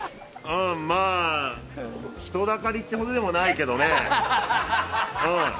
うん、まあ人だかりってほどでもないけどね。